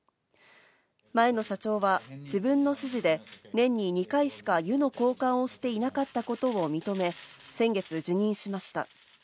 前の社長は自分の指示で年に２回しか湯の交換をしていなかったことを認め、先月辞任しました。